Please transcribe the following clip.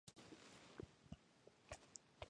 むむぬ